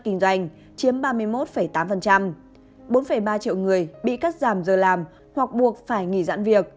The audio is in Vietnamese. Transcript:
kinh doanh chiếm ba mươi một tám bốn ba triệu người bị cắt giảm giờ làm hoặc buộc phải nghỉ giãn việc